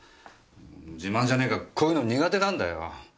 自慢じゃねえがこういうの苦手なんだよ。